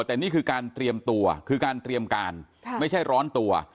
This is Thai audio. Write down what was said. แต่นี่คือการเตรียมตัวคือการเตรียมการไม่ใช่ร้อนตัว